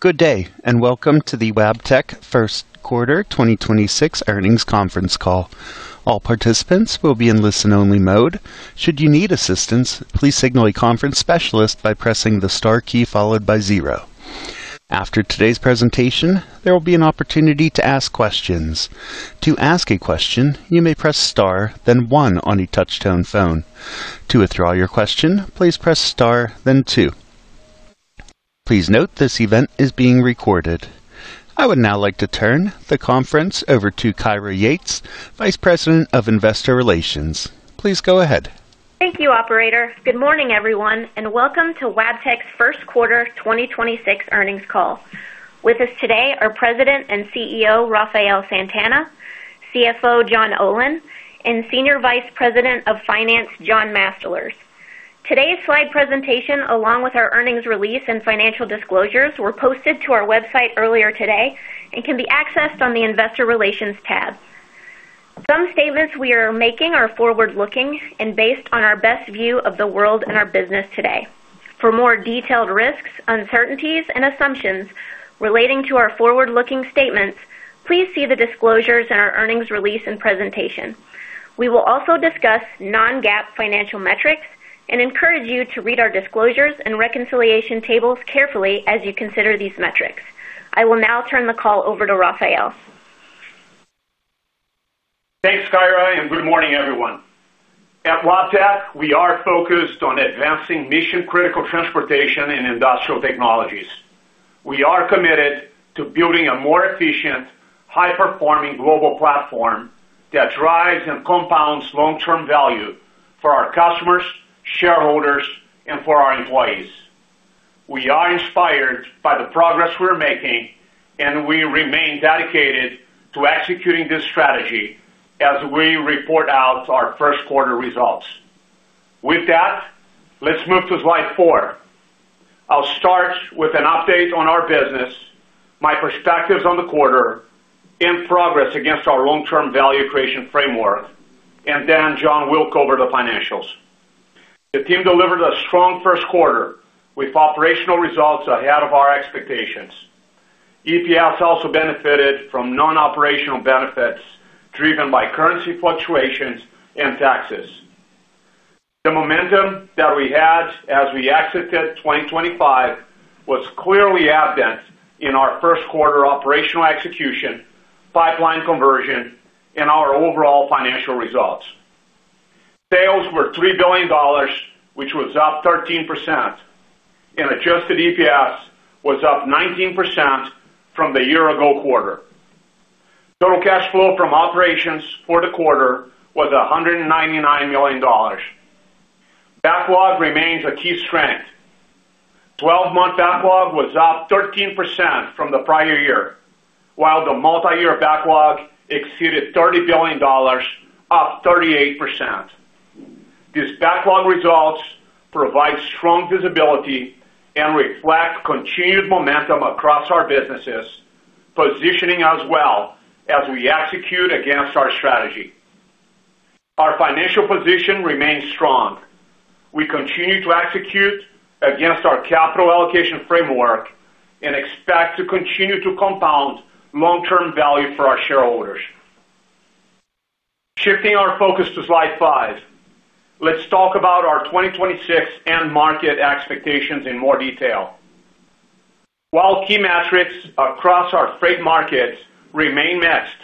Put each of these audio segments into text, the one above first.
Good day, and welcome to the Wabtec first quarter 2026 earnings conference call. All participants will be in listen-only mode. Should you need assistance, please signal a conference specialist by pressing the star key followed by zero. After today's presentation, there will be an opportunity to ask questions. To ask a question, you may press star then one on a touch-tone phone. To withdraw your question, please press star then two. Please note this event is being recorded. I would now like to turn the conference over to Kyra Yates, Vice President of Investor Relations. Please go ahead. Thank you, operator. Good morning, everyone, and welcome to Wabtec's first quarter 2026 earnings call. With us today are President and CEO Rafael Santana, CFO John Olin and Senior Vice President of Finance, John Masteller. Today's slide presentation, along with our earnings release and financial disclosures, were posted to our website earlier today and can be accessed on the investor relations tab. Some statements we are making are forward-looking and based on our best view of the world and our business today. For more detailed risks, uncertainties, and assumptions relating to our forward-looking statements, please see the disclosures in our earnings release and presentation. We will also discuss non-GAAP financial metrics and encourage you to read our disclosures and reconciliation tables carefully as you consider these metrics. I will now turn the call over to Rafael. Thanks, Kyra, and good morning, everyone. At Wabtec, we are focused on advancing mission-critical transportation and industrial technologies. We are committed to building a more efficient, high-performing global platform that drives and compounds long-term value for our customers, shareholders, and for our employees. We are inspired by the progress we're making, and we remain dedicated to executing this strategy as we report out our first quarter results. With that, let's move to slide four. I'll start with an update on our business, my perspectives on the quarter, and progress against our long-term value creation framework, and then John will go over the financials. The team delivered a strong first quarter with operational results ahead of our expectations. EPS also benefited from non-operational benefits driven by currency fluctuations, and taxes. The momentum that we had as we exited 2025 was clearly evident in our first quarter operational execution, pipeline conversion, and our overall financial results. Sales were $3 billion, which was up 13%, and adjusted EPS was up 19% from the year-ago quarter. Total cash flow from operations for the quarter was $199 million. Backlog remains a key strength. 12-month backlog was up 13% from the prior year, while the multi-year backlog exceeded $30 billion, up 38%. These backlog results provide strong visibility and reflect continued momentum across our businesses, positioning us well as we execute against our strategy. Our financial position remains strong. We continue to execute against our capital allocation framework and expect to continue to compound long-term value for our shareholders. Shifting our focus to slide five, let's talk about our 2026 end market expectations in more detail. While key metrics across our freight markets remain mixed,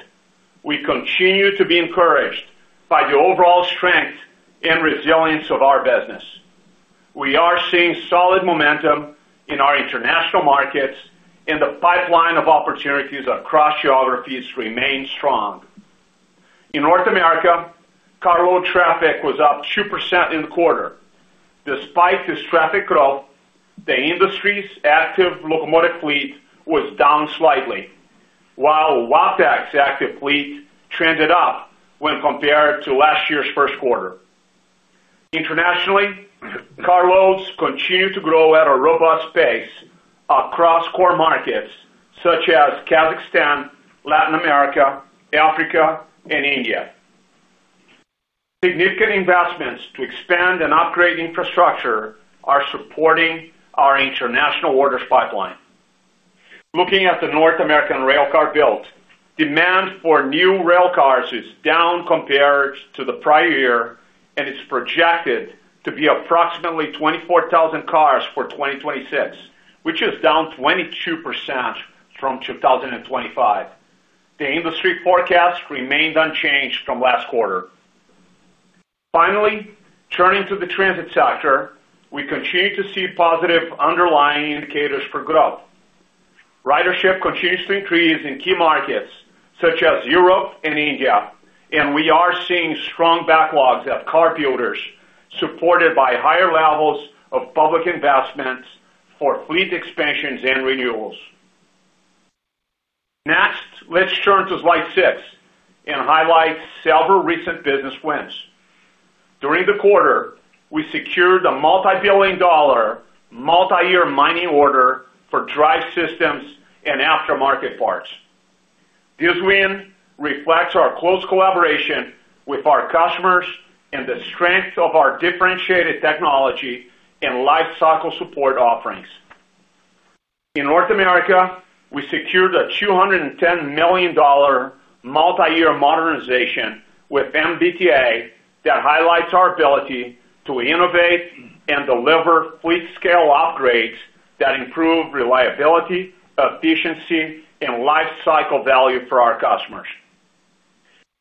we continue to be encouraged by the overall strength and resilience of our business. We are seeing solid momentum in our international markets and the pipeline of opportunities across geographies remains strong. In North America, carload traffic was up 2% in the quarter. Despite this traffic growth, the industry's active locomotive fleet was down slightly, while Wabtec's active fleet trended up when compared to last year's first quarter. Internationally, carloads continue to grow at a robust pace across core markets such as Kazakhstan, Latin America, Africa, and India. Significant investments to expand and upgrade infrastructure are supporting our international orders pipeline. Looking at the North American railcar build, demand for new railcars is down compared to the prior year, and it's projected to be approximately 24,000 cars for 2026, which is down 22% from 2025. The industry forecast remained unchanged from last quarter. Finally, turning to the transit sector, we continue to see positive underlying indicators for growth. Ridership continues to increase in key markets such as Europe and India, and we are seeing strong backlogs at car builders, supported by higher levels of public investments for fleet expansions and renewals. Next, let's turn to slide six and highlight several recent business wins. During the quarter, we secured a multi-billion dollar, multi-year mining order for drive systems and aftermarket parts. This win reflects our close collaboration with our customers and the strength of our differentiated technology and lifecycle support offerings. In North America, we secured a $210 million multi-year modernization with MBTA that highlights our ability to innovate and deliver fleet scale upgrades that improve reliability, efficiency, and lifecycle value for our customers.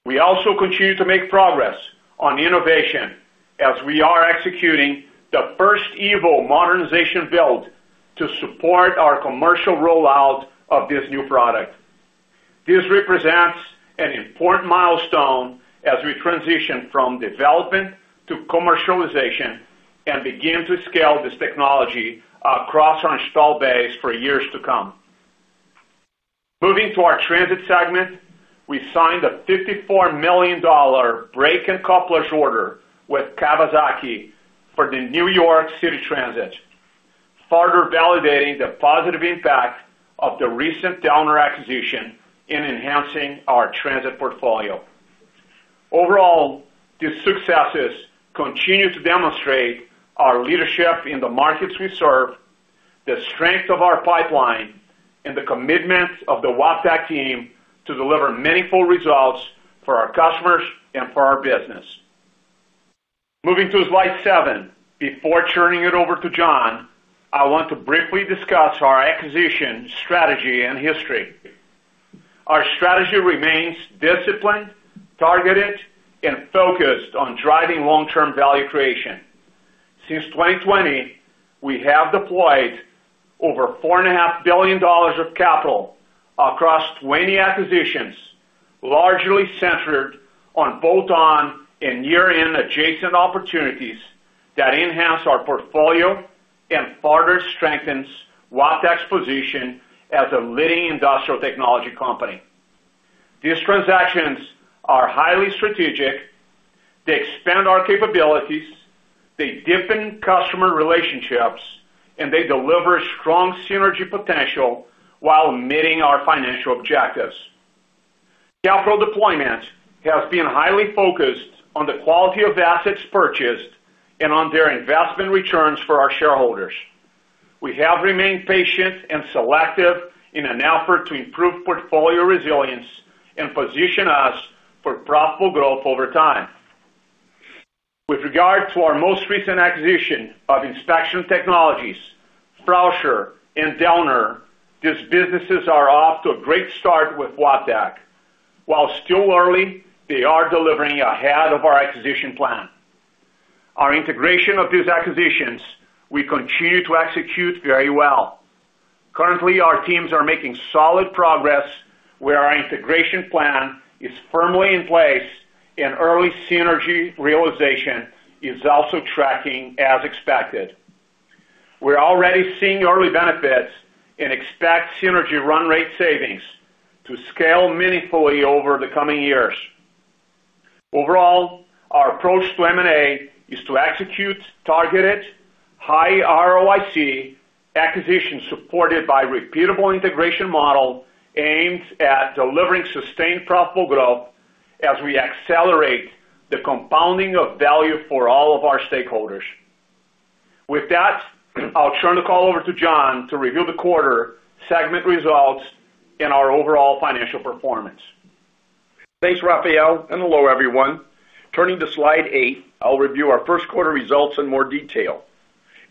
We also continue to make progress on innovation as we are executing the first EVO modernization build to support our commercial rollout of this new product. This represents an important milestone as we transition from development to commercialization and begin to scale this technology across our installed base for years to come. Moving to our transit segment, we signed a $54 million brake and couplers order with Kawasaki for the New York City Transit, further validating the positive impact of the recent Downer acquisition in enhancing our transit portfolio. Overall, these successes continue to demonstrate our leadership in the markets we serve, the strength of our pipeline, and the commitment of the Wabtec team to deliver meaningful results for our customers and for our business. Moving to slide seven, before turning it over to John, I want to briefly discuss our acquisition strategy and history. Our strategy remains disciplined, targeted, and focused on driving long-term value creation. Since 2020, we have deployed over $4.5 billion of capital across 20 acquisitions, largely centered on bolt-on and year-in adjacent opportunities that enhance our portfolio and further strengthens Wabtec's position as a leading industrial technology company. These transactions are highly strategic, they expand our capabilities, they deepen customer relationships, and they deliver strong synergy potential while meeting our financial objectives. Capital deployment has been highly focused on the quality of assets purchased and on their investment returns for our shareholders. We have remained patient and selective in an effort to improve portfolio resilience and position us for profitable growth over time. With regard to our most recent acquisition of Inspection Technologies, Frauscher, and Dellner, these businesses are off to a great start with Wabtec. While still early, they are delivering ahead of our acquisition plan. Our integration of these acquisitions, we continue to execute very well. Currently, our teams are making solid progress where our integration plan is firmly in place, and early synergy realization is also tracking as expected. We're already seeing early benefits and expect synergy run rate savings to scale meaningfully over the coming years. Overall, our approach to M&A is to execute targeted, high ROIC acquisitions supported by repeatable integration model aimed at delivering sustained profitable growth as we accelerate the compounding of value for all of our stakeholders. With that, I'll turn the call over to John to review the quarter, segment results, and our overall financial performance. Thanks, Rafael, and hello, everyone. Turning to slide eight, I'll review our first quarter results in more detail.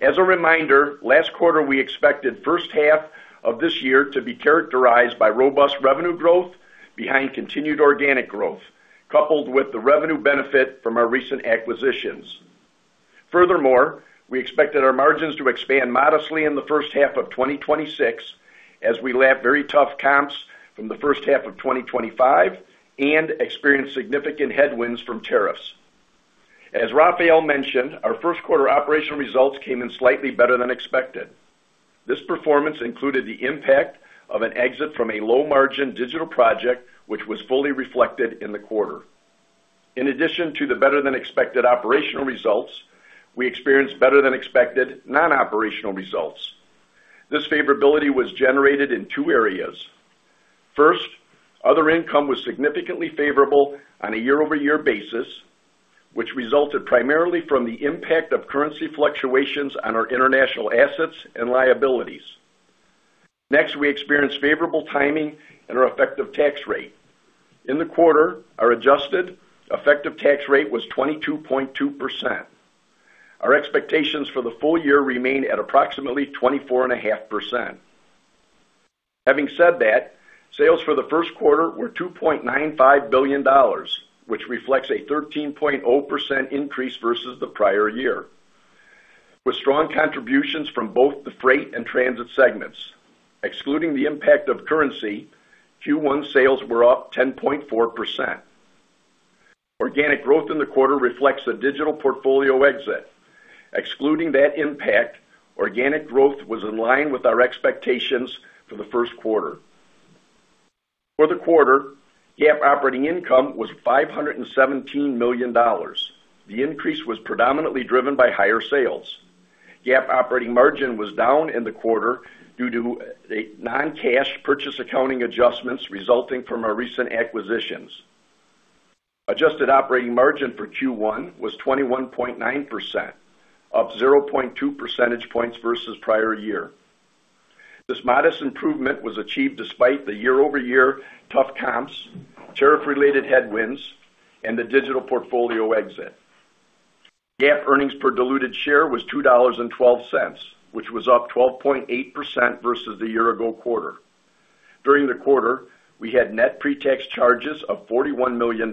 As a reminder, last quarter we expected first half of this year to be characterized by robust revenue growth behind continued organic growth, coupled with the revenue benefit from our recent acquisitions. Furthermore, we expected our margins to expand modestly in the first half of 2026 as we lap very tough comps from the first half of 2025 and experience significant headwinds from tariffs. As Rafael mentioned, our first quarter operational results came in slightly better than expected. This performance included the impact of an exit from a low-margin digital project, which was fully reflected in the quarter. In addition to the better than expected operational results, we experienced better than expected non-operational results. This favorability was generated in two areas. First, other income was significantly favorable on a year-over-year basis, which resulted primarily from the impact of currency fluctuations on our international assets and liabilities. Next, we experienced favorable timing in our effective tax rate. In the quarter, our adjusted effective tax rate was 22.2%. Our expectations for the full year remain at approximately 24.5%. Having said that, sales for the first quarter were $2.95 billion, which reflects a 13.0% increase versus the prior year with strong contributions from both the Freight and Transit segments. Excluding the impact of currency, Q1 sales were up 10.4%. Organic growth in the quarter reflects the digital portfolio exit. Excluding that impact, organic growth was in line with our expectations for the first quarter. For the quarter, GAAP operating income was $517 million. The increase was predominantly driven by higher sales. GAAP operating margin was down in the quarter due to the non-cash purchase accounting adjustments resulting from our recent acquisitions. Adjusted operating margin for Q1 was 21.9%, up 0.2 percentage points versus prior year. This modest improvement was achieved despite the year-over-year tough comps, tariff-related headwinds, and the digital portfolio exit. GAAP earnings per diluted share was $2.12, which was up 12.8% versus the year-ago quarter. During the quarter, we had net pre-tax charges of $41 million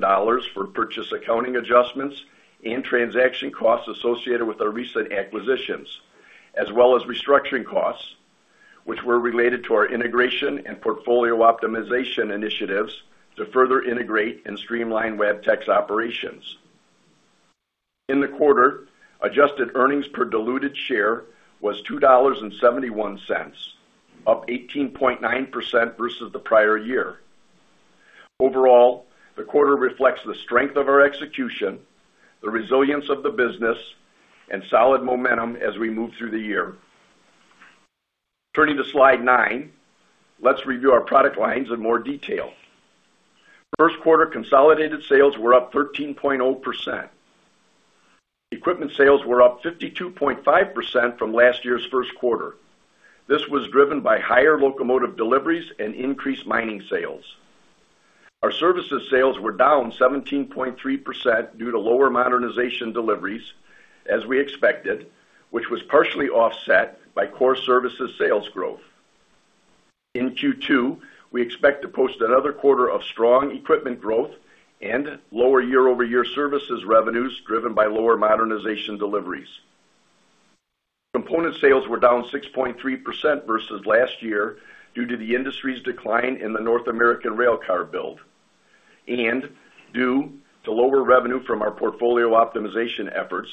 for purchase accounting adjustments and transaction costs associated with our recent acquisitions, as well as restructuring costs, which were related to our integration and portfolio optimization initiatives to further integrate and streamline Wabtec operations. In the quarter, adjusted earnings per diluted share was $2.71, up 18.9% versus the prior year. Overall, the quarter reflects the strength of our execution, the resilience of the business, and solid momentum as we move through the year. Turning to slide nine, let's review our product lines in more detail. First quarter consolidated sales were up 13.0%. Equipment sales were up 52.5% from last year's first quarter. This was driven by higher locomotive deliveries and increased mining sales. Our services sales were down 17.3% due to lower modernization deliveries, as we expected, which was partially offset by core services sales growth. In Q2, we expect to post another quarter of strong equipment growth and lower year-over-year services revenues, driven by lower modernization deliveries. Component sales were down 6.3% versus last year due to the industry's decline in the North American rail car build and due to lower revenue from our portfolio optimization efforts,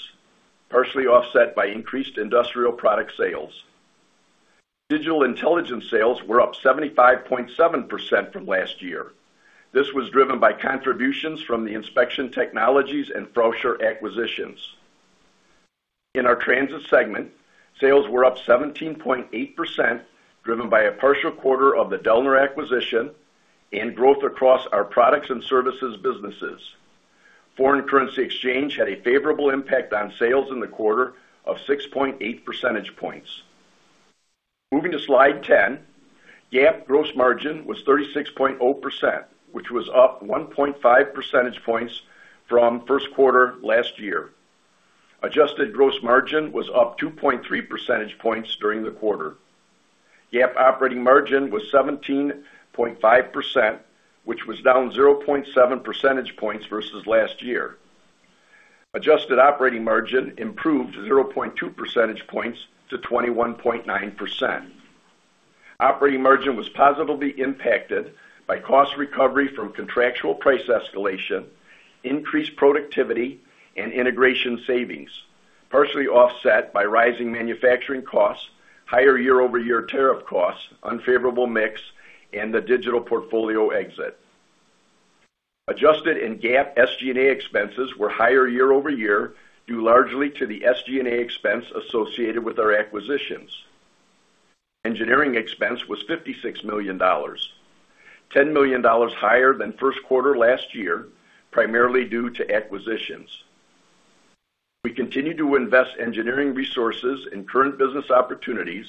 partially offset by increased industrial product sales. Digital intelligence sales were up 75.7% from last year. This was driven by contributions from the inspection technologies and Frauscher acquisitions. In our transit segment, sales were up 17.8%, driven by a partial quarter of the Dellner acquisition and growth across our products and services businesses. Foreign currency exchange had a favorable impact on sales in the quarter of 6.8 percentage points. Moving to slide 10, GAAP gross margin was 36.0%, which was up 1.5 percentage points from first quarter last year. Adjusted gross margin was up 2.3 percentage points during the quarter. GAAP operating margin was 17.5%, which was down 0.7 percentage points versus last year. Adjusted operating margin improved 0.2 percentage points to 21.9%. Operating margin was positively impacted by cost recovery from contractual price escalation, increased productivity, and integration savings, partially offset by rising manufacturing costs, higher year-over-year tariff costs, unfavorable mix, and the digital portfolio exit. Adjusted and GAAP SG&A expenses were higher year-over-year, due largely to the SG&A expense associated with our acquisitions. Engineering expense was $56 million, $10 million higher than first quarter last year, primarily due to acquisitions. We continue to invest engineering resources in current business opportunities,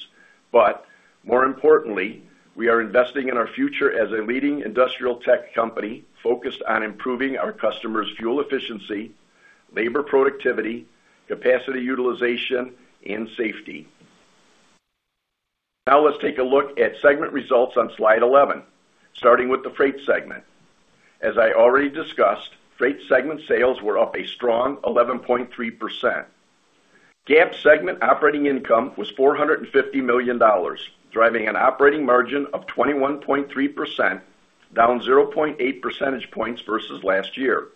but more importantly, we are investing in our future as a leading industrial tech company focused on improving our customers' fuel efficiency, labor productivity, capacity utilization, and safety. Now let's take a look at segment results on slide 11, starting with the Freight Segment. As I already discussed, Freight Segment sales were up a strong 11.3%. GAAP segment operating income was $450 million, driving an operating margin of 21.3%, down 0.8 percentage points versus last year.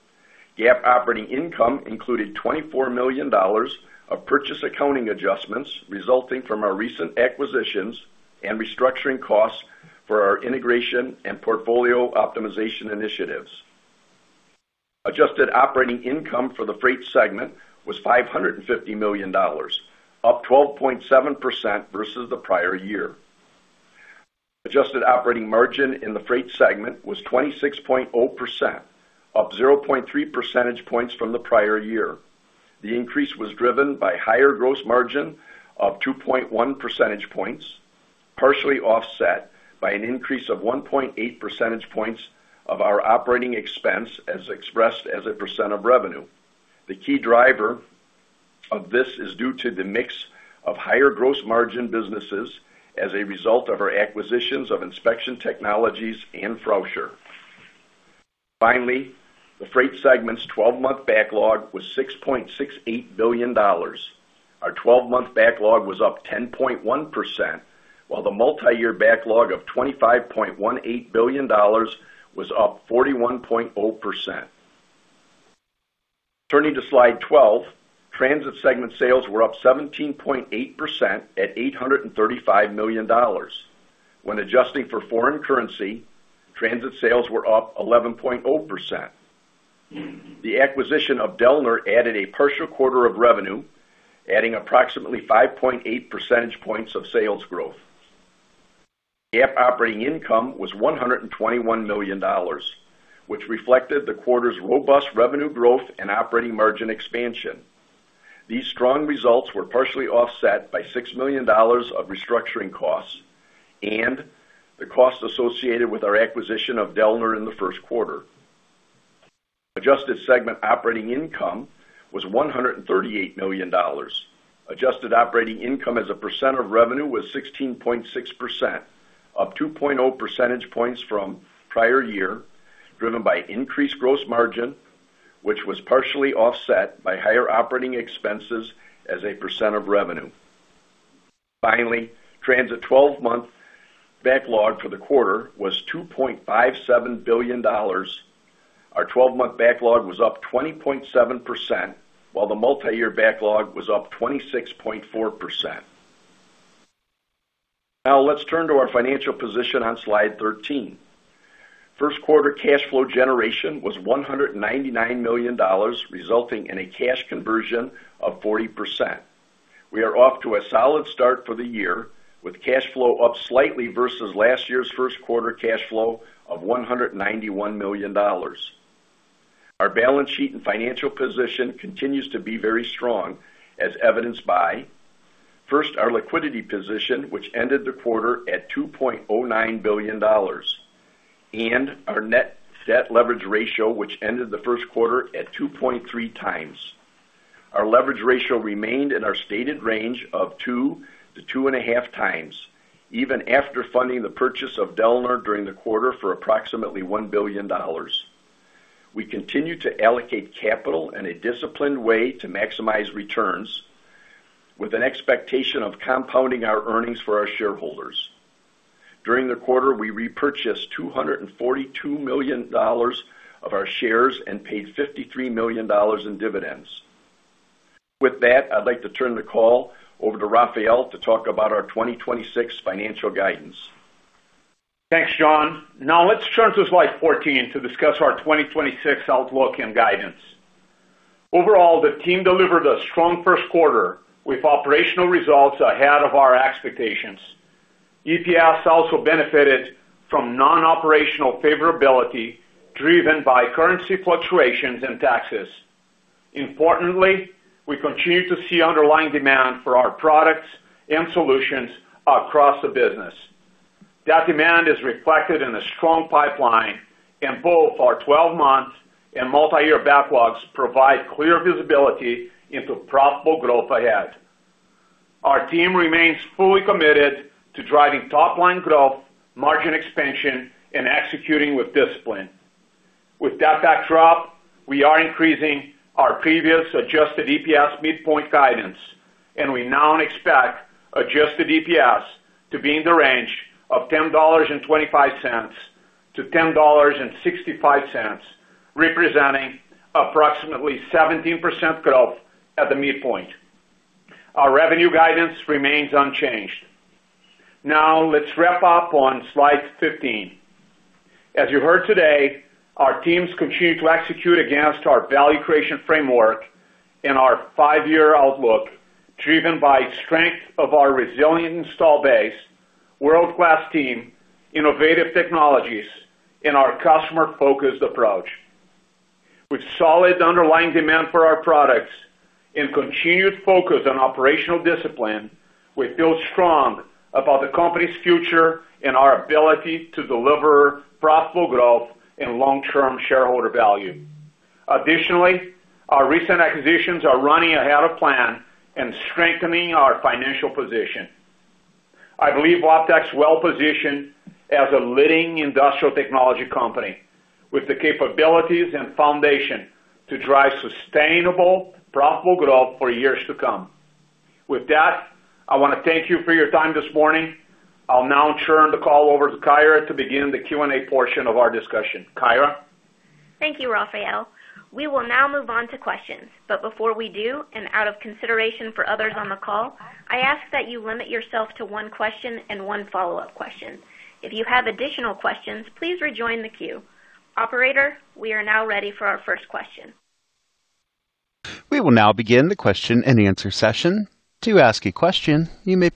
GAAP operating income included $24 million of purchase accounting adjustments resulting from our recent acquisitions and restructuring costs for our integration and portfolio optimization initiatives. Adjusted operating income for the Freight segment was $550 million, up 12.7% versus the prior year. Adjusted operating margin in the Freight segment was 26.0%, up 0.3 percentage points from the prior year. The increase was driven by higher gross margin of 2.1 percentage points, partially offset by an increase of 1.8 percentage points of our operating expense as expressed as a percent of revenue. The key driver of this is due to the mix of higher gross margin businesses as a result of our acquisitions of Inspection Technologies and Frauscher. Finally, the Freight segment's 12-month backlog was $6.68 billion. Our 12-month backlog was up 10.1%, while the multi-year backlog of $25.18 billion was up 41.0%. Turning to slide 12, Transit segment sales were up 17.8% at $835 million. When adjusting for foreign currency, transit sales were up 11.0%. The acquisition of Dellner added a partial quarter of revenue, adding approximately 5.8 percentage points of sales growth. GAAP operating income was $121 million, which reflected the quarter's robust revenue growth and operating margin expansion. These strong results were partially offset by $6 million of restructuring costs and the cost associated with our acquisition of Dellner in the first quarter. Adjusted segment operating income was $138 million. Adjusted operating income as a percent of revenue was 16.6%, up 2.0 percentage points from prior year, driven by increased gross margin, which was partially offset by higher operating expenses as a percent of revenue. Finally, Transit 12-month backlog for the quarter was $2.57 billion. Our 12-month backlog was up 20.7%, while the multi-year backlog was up 26.4%. Now, let's turn to our financial position on slide 13. First quarter cash flow generation was $199 million, resulting in a cash conversion of 40%. We are off to a solid start for the year, with cash flow up slightly versus last year's first quarter cash flow of $191 million. Our balance sheet and financial position continues to be very strong, as evidenced by first, our liquidity position, which ended the quarter at $2.09 billion, and our net debt leverage ratio, which ended the first quarter at 2.3 times. Our leverage ratio remained in our stated range of 2-2.5 times, even after funding the purchase of Dellner during the quarter for approximately $1 billion. We continue to allocate capital in a disciplined way to maximize returns, with an expectation of compounding our earnings for our shareholders. During the quarter, we repurchased $242 million of our shares and paid $53 million in dividends. With that, I'd like to turn the call over to Rafael to talk about our 2026 financial guidance. Thanks, John. Now let's turn to slide 14 to discuss our 2026 outlook and guidance. Overall, the team delivered a strong first quarter, with operational results ahead of our expectations. EPS also benefited from non-operational favorability, driven by currency fluctuations and taxes. Importantly, we continue to see underlying demand for our products and solutions across the business. That demand is reflected in a strong pipeline, and both our 12-month and multi-year backlogs provide clear visibility into profitable growth ahead. Our team remains fully committed to driving top-line growth, margin expansion, and executing with discipline. With that backdrop, we are increasing our previous adjusted EPS midpoint guidance, and we now expect adjusted EPS to be in the range of $10.25-$10.65, representing approximately 17% growth at the midpoint. Our revenue guidance remains unchanged. Now, let's wrap up on slide 15. As you heard today, our teams continue to execute against our value creation framework and our five-year outlook, driven by strength of our resilient installed base, world-class team, innovative technologies, and our customer-focused approach. With solid underlying demand for our products and continued focus on operational discipline, we feel strong about the company's future and our ability to deliver profitable growth and long-term shareholder value. Additionally, our recent acquisitions are running ahead of plan and strengthening our financial position. I believe Wabtec's well positioned as a leading industrial technology company, with the capabilities and foundation to drive sustainable, profitable growth for years to come. With that, I want to thank you for your time this morning. I'll now turn the call over to Kyra to begin the Q&A portion of our discussion. Kyra? Thank you, Rafael. We will now move on to questions, but before we do, and out of consideration for others on the call, I ask that you limit yourself to one question and one follow-up question. If you have additional questions, please rejoin the queue. Operator, we are now ready for our first question. The first question comes from Ken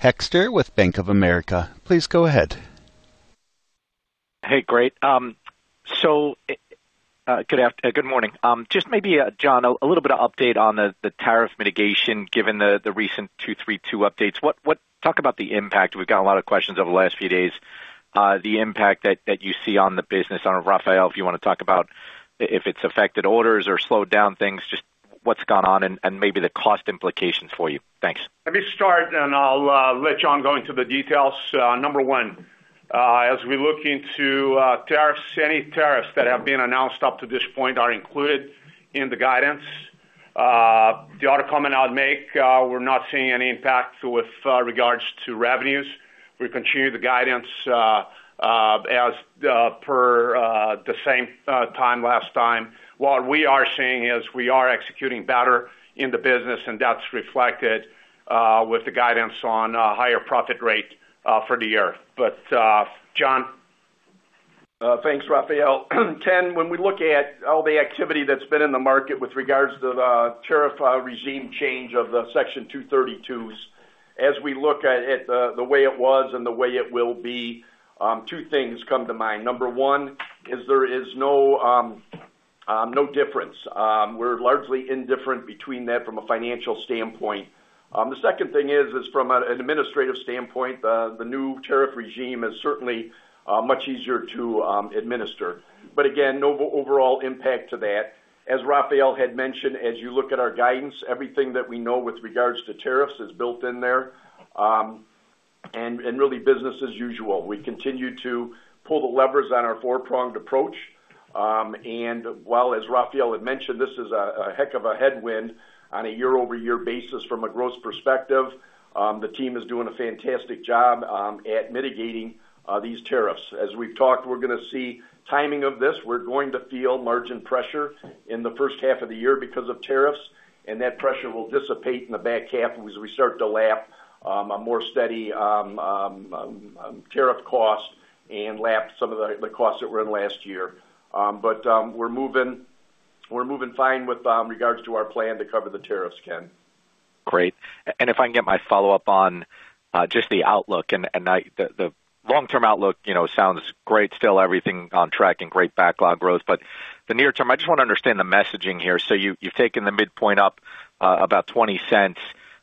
Hoexter with Bank of America. Please go ahead. Hey, great. Good morning. Just maybe, John, a little bit of update on the tariff mitigation given the recent Section 232 updates. Talk about the impact. We've got a lot of questions over the last few days. The impact that you see on the business. I don't know, Rafael, if you want to talk about if it's affected orders or slowed down things, just what's gone on and maybe the cost implications for you. Thanks. Let me start, and I'll let John go into the details. Number one, as we look into tariffs, any tariffs that have been announced up to this point are included in the guidance. The other comment I would make, we're not seeing any impact with regards to revenues. We continue the guidance as per the same time last time. What we are seeing is we are executing better in the business, and that's reflected with the guidance on higher profit rate for the year. John? Thanks, Rafael. Ken, when we look at all the activity that's been in the market with regards to the tariff regime change of the Section 232s, as we look at the way it was and the way it will be, two things come to mind. Number one is there is no difference. We're largely indifferent between that from a financial standpoint. The second thing is from an administrative standpoint, the new tariff regime is certainly much easier to administer. Again, no overall impact to that. As Rafael had mentioned, as you look at our guidance, everything that we know with regards to tariffs is built in there, and really business as usual. We continue to pull the levers on our four-pronged approach. While, as Rafael had mentioned, this is a heck of a headwind on a year-over-year basis from a growth perspective, the team is doing a fantastic job at mitigating these tariffs. As we've talked, we're going to see timing of this. We're going to feel margin pressure in the first half of the year because of tariffs, and that pressure will dissipate in the back half as we start to lap a more steady tariff cost and lap some of the costs that were in last year. We're moving fine with regards to our plan to cover the tariffs, Ken. Great. If I can get my follow-up on just the outlook. The long-term outlook sounds great. Still everything on track and great backlog growth. The near term, I just want to understand the messaging here. You've taken the midpoint up about $0.20.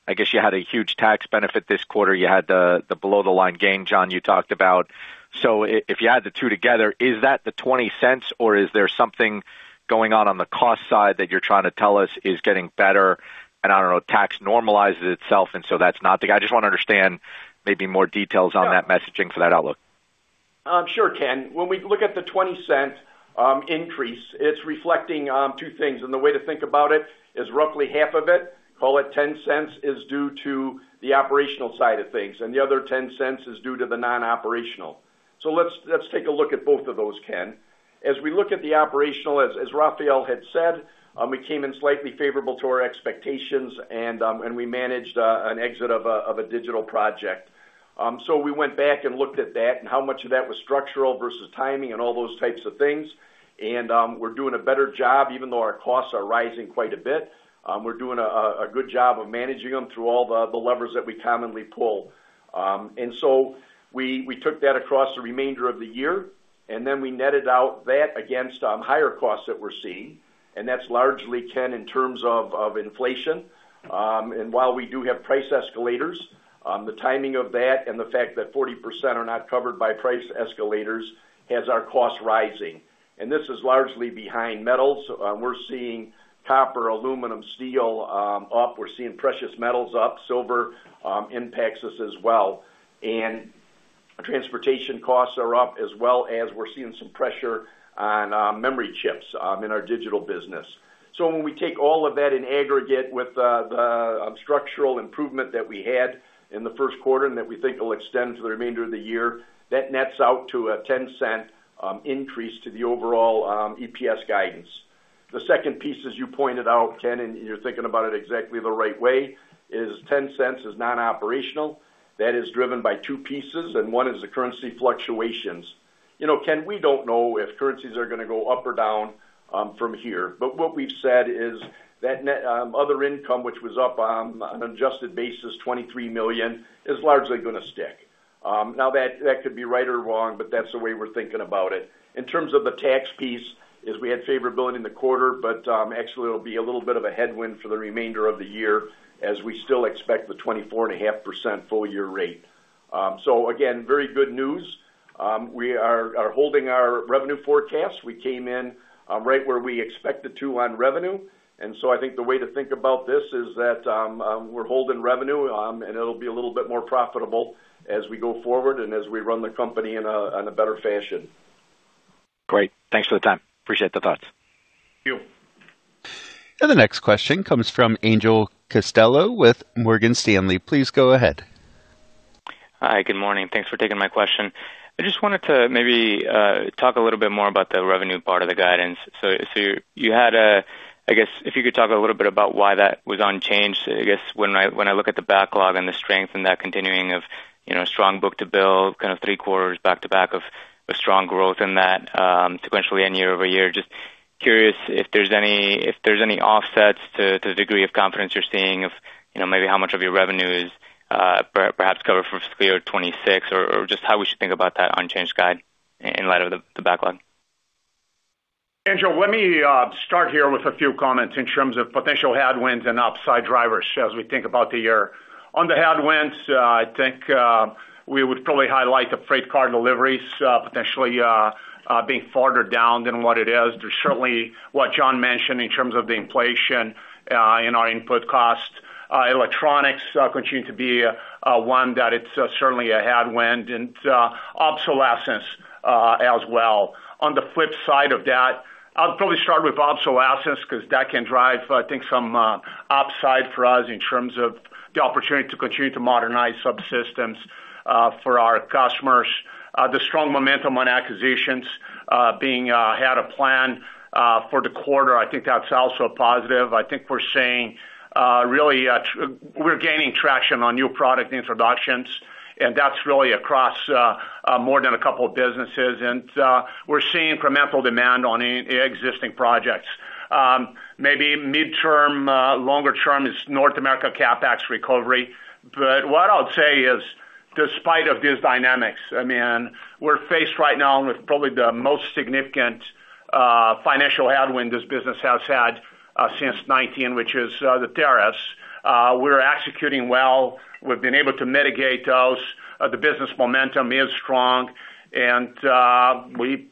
I guess you had a huge tax benefit this quarter. You had the below the line gain, John, you talked about. If you add the two together, is that the $0.20 or is there something going on on the cost side that you're trying to tell us is getting better and, I don't know, tax normalizes itself, and so that's not the. I just want to understand maybe more details on that messaging for that outlook. Sure, Ken. When we look at the $0.20 increase, it's reflecting two things, and the way to think about it is roughly half of it, call it $0.10, is due to the operational side of things, and the other $0.10 is due to the non-operational. Let's take a look at both of those, Ken. As we look at the operational, as Rafael had said, we came in slightly favorable to our expectations, and we managed an exit of a digital project. We went back and looked at that and how much of that was structural versus timing and all those types of things. We're doing a better job, even though our costs are rising quite a bit. We're doing a good job of managing them through all the levers that we commonly pull. We took that across the remainder of the year, and then we netted out that against higher costs that we're seeing, and that's largely, Ken, in terms of inflation. While we do have price escalators, the timing of that and the fact that 40% are not covered by price escalators has our costs rising. This is largely behind metals. We're seeing copper, aluminum, steel up. We're seeing precious metals up. Silver impacts us as well. Transportation costs are up as well as we're seeing some pressure on memory chips in our digital business. When we take all of that in aggregate with the structural improvement that we had in the first quarter and that we think will extend to the remainder of the year, that nets out to a $0.10 increase to the overall EPS guidance. The second piece, as you pointed out, Ken, and you're thinking about it exactly the right way, is $0.10 non-operational. That is driven by two pieces, and one is the currency fluctuations. Ken, we don't know if currencies are going to go up or down from here, but what we've said is that net other income, which was up on an adjusted basis, $23 million, is largely going to stick. Now, that could be right or wrong, but that's the way we're thinking about it. In terms of the tax piece, we had favorability in the quarter, but actually, it'll be a little bit of a headwind for the remainder of the year as we still expect the 24.5% full-year rate. Very good news. We are holding our revenue forecast. We came in right where we expected to on revenue. I think the way to think about this is that we're holding revenue, and it'll be a little bit more profitable as we go forward and as we run the company in a better fashion. Great. Thanks for the time. Appreciate the thoughts. Thank you. The next question comes from Angel Castillo with Morgan Stanley. Please go ahead. Hi, good morning. Thanks for taking my question. I just wanted to maybe talk a little bit more about the revenue part of the guidance. I guess if you could talk a little bit about why that was unchanged. I guess when I look at the backlog and the strength and that continuing of strong book-to-bill, kind of three quarters back-to-back of strong growth in that sequentially and year-over-year, just curious if there's any offsets to the degree of confidence you're seeing of maybe how much of your revenue is perhaps covered for fiscal year 2026 or just how we should think about that unchanged guide in light of the backlog. Angel, let me start here with a few comments in terms of potential headwinds and upside drivers as we think about the year. On the headwinds, I think we would probably highlight the freight car deliveries potentially being farther down than what it is. There's certainly what John mentioned in terms of the inflation in our input cost. Electronics continue to be one that it's certainly a headwind, and obsolescence as well. On the flip side of that, I'll probably start with obsolescence because that can drive, I think, some upside for us in terms of the opportunity to continue to modernize subsystems for our customers. The strong momentum on acquisitions being ahead of plan for the quarter, I think that's also a positive. I think we're saying really we're gaining traction on new product introductions, and that's really across more than a couple of businesses, and we're seeing incremental demand on existing projects. Maybe midterm, longer term is North America CapEx recovery. What I'll say is despite of these dynamics, we're faced right now with probably the most significant financial headwind this business has had since 2019, which is the tariffs. We're executing well. We've been able to mitigate those. The business momentum is strong, and we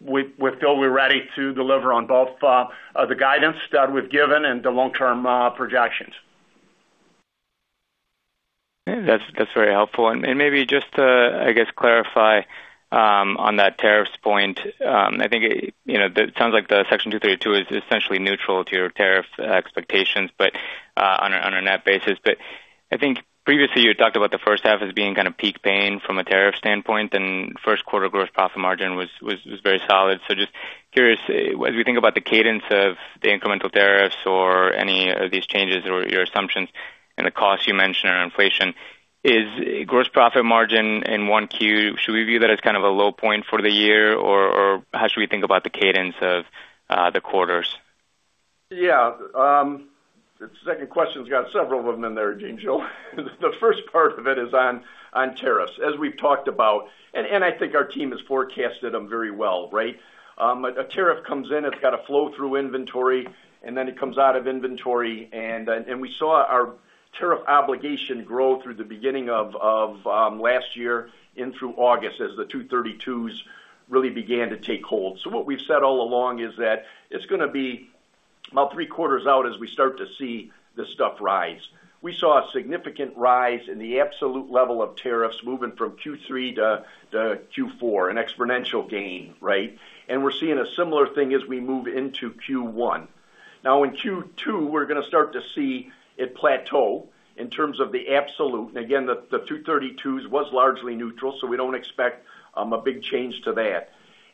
feel we're ready to deliver on both the guidance that we've given and the long-term projections. That's very helpful. Maybe just to, I guess, clarify on that tariffs point. I think it sounds like the Section 232 is essentially neutral to your tariff expectations, but on a net basis. I think previously you talked about the first half as being kind of peak pain from a tariff standpoint, and first quarter gross profit margin was very solid. Just curious, as we think about the cadence of the incremental tariffs or any of these changes or your assumptions and the costs you mentioned or inflation, is gross profit margin in 1Q, should we view that as kind of a low point for the year? Or how should we think about the cadence of the quarters? Yeah. The second question's got several of them in there, Angel. The first part of it is on tariffs. As we've talked about, and I think our team has forecasted them very well, right? A tariff comes in, it's got to flow through inventory, and then it comes out of inventory. We saw our tariff obligation grow through the beginning of last year and through August as the 232s really began to take hold. What we've said all along is that it's going to be about three quarters out as we start to see this stuff rise. We saw a significant rise in the absolute level of tariffs moving from Q3 to Q4, an exponential gain, right? We're seeing a similar thing as we move into Q1. Now in Q2, we're going to start to see it plateau in terms of the absolute. Again, the 232s was largely neutral, so we don't expect a big change to that.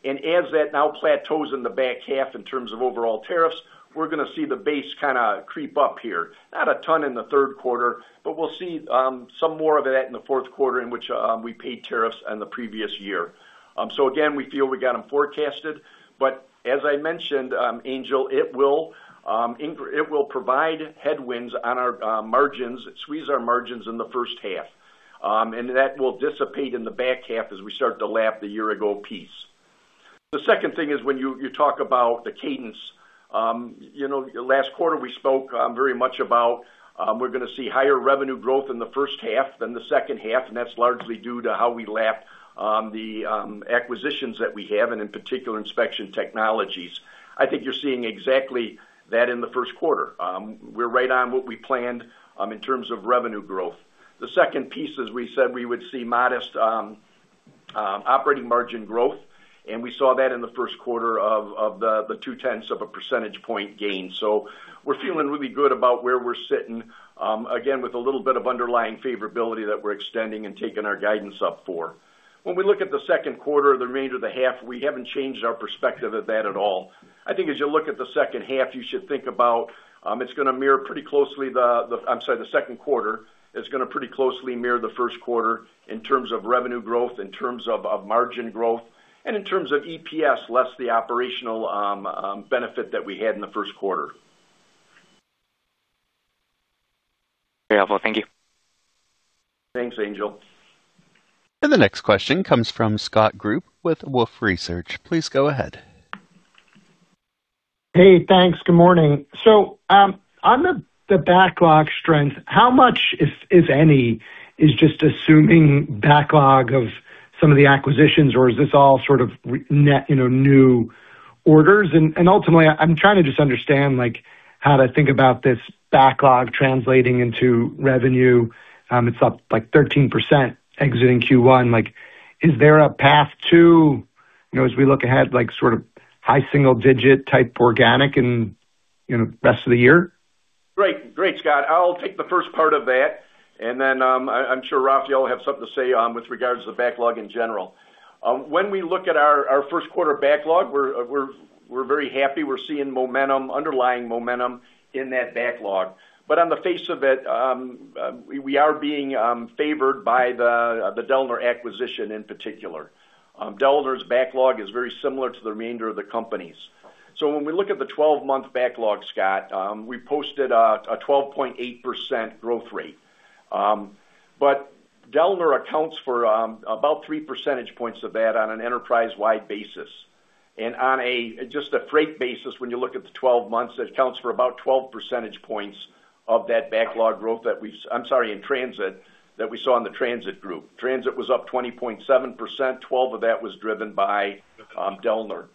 As that now plateaus in the back half in terms of overall tariffs, we're going to see the base kind of creep up here. Not a ton in the third quarter, but we'll see some more of that in the fourth quarter in which we paid tariffs in the previous year. Again, we feel we got them forecasted. As I mentioned, Angel, it will provide headwinds on our margins. It squeezes our margins in the first half. That will dissipate in the back half as we start to lap the year ago piece. The second thing is when you talk about the cadence. Last quarter, we spoke very much about we're going to see higher revenue growth in the first half than the second half, and that's largely due to how we lap the acquisitions that we have, and in particular, Inspection Technologies. I think you're seeing exactly that in the first quarter. We're right on what we planned in terms of revenue growth. The second piece is we said we would see modest operating margin growth, and we saw that in the first quarter, 0.2 percentage point gain. We're feeling really good about where we're sitting. Again, with a little bit of underlying favorability that we're extending and taking our guidance up for. When we look at the second quarter or the remainder of the half, we haven't changed our perspective of that at all. I think as you look at the second half, you should think about it's going to mirror pretty closely. The second quarter is going to pretty closely mirror the first quarter in terms of revenue growth, in terms of margin growth, and in terms of EPS, less the operational benefit that we had in the first quarter. Very helpful. Thank you. Thanks, Angel. The next question comes from Scott Group with Wolfe Research. Please go ahead. Hey, thanks. Good morning. On the backlog strength, how much, if any, is just assuming backlog of some of the acquisitions or is this all sort of net new orders? Ultimately, I'm trying to just understand how to think about this backlog translating into revenue. It's up 13% exiting Q1. Is there a path to, as we look ahead, sort of high single digit type organic in the rest of the year? Great, Scott. I'll take the first part of that, and then I'm sure Rafael will have something to say with regards to backlog in general. When we look at our first quarter backlog, we're very happy. We're seeing momentum, underlying momentum in that backlog. On the face of it, we are being favored by the Dellner acquisition in particular. Dellner's backlog is very similar to the remainder of the companies. When we look at the 12-month backlog, Scott, we posted a 12.8% growth rate. Dellner accounts for about three percentage points of that on an enterprise-wide basis. On just a freight basis, when you look at the 12 months, it accounts for about 12 percentage points of that backlog growth in transit that we saw in the transit group. Transit was up 20.7%, 12 of that was driven by Dellner.